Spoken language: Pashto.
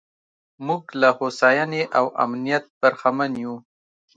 موږ له هوساینې او امنیت برخمن یو.